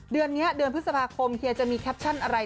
เดือนนี้เดือนพฤษภาคมเฮียจะมีแคปชั่นอะไร